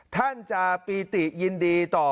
ท่านจะปีติยินดีต่อ